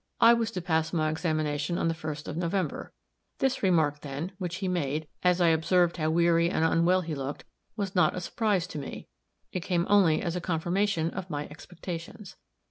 I was to pass my examination on the first of November; this remark, then, which he made, as I observed how weary and unwell he looked, was not a surprise to me it came only as a confirmation of my expectations.